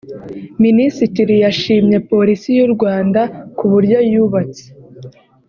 Minisitiri yashimye Polisi y’u Rwanda ku buryo yubatse